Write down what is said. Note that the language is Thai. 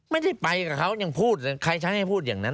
ไม่ได้ไปกับเขายังพูดใครฉันให้พูดอย่างนั้น